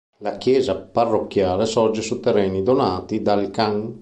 La chiesa Parrocchiale sorge su terreni donati dal Can.